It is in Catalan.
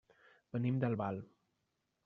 Venim d'Albal.